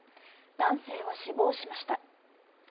男性は死亡しました。